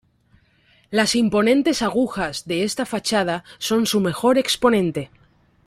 Las imponentes agujas de esta fachada son su mejor exponente